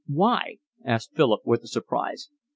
"Why?" asked Philip, with surprise.